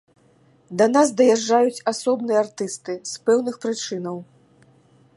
Да нас даязджаюць асобныя артысты, з пэўных прычынаў.